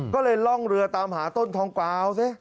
ก็เลยล่องเรือตามหาต้นทองกราวสิ